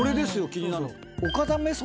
気になるの。